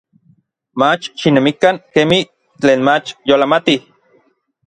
Mach xinemikan kemij tlen mach yolamatij.